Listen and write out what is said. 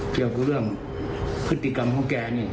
เกี่ยวกับเรื่องพฤติกรรมของแกนี่